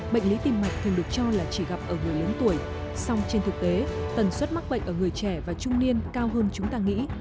bệnh lý tim mạch thường được cho là chỉ gặp ở người lớn tuổi song trên thực tế tần suất mắc bệnh ở người trẻ và trung niên cao hơn chúng ta nghĩ